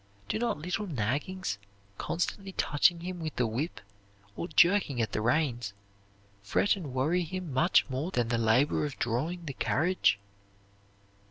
Do not little naggings, constantly touching him with the whip, or jerking at the reins, fret and worry him much more than the labor of drawing the carriage?